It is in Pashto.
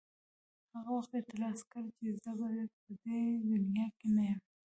هغه وخت یې ترلاسه کړې چې زه به په دې دنیا کې نه یم.